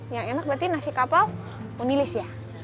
yang enak berarti nasi kapau menilis ya